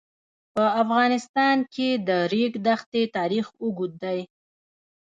په افغانستان کې د د ریګ دښتې تاریخ اوږد دی.